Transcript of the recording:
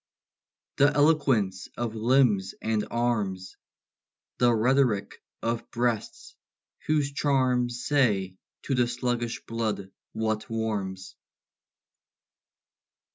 The eloquence of limbs and arms! The rhetoric of breasts, whose charms Say to the sluggish blood what warms!